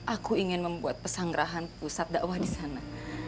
aku ingin membuat pesangrahan pusat dakwah disana